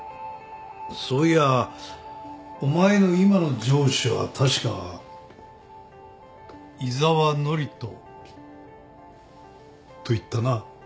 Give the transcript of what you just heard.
そういやお前の今の上司は確か井沢範人といったな？